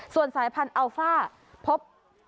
ส่วนสายพันธุ์อัลฟ่าพบ